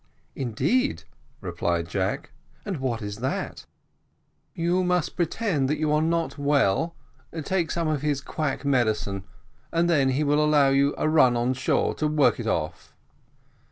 "Indeed," replied Jack; "and what is that?" "You must pretend that you are not well, take some of his quack medicine, and then he will allow you a run on shore to work it off."